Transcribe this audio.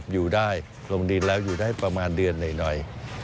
อยู่ได้ลงดินแล้วอยู่ได้ประมาณเดือนหน่อย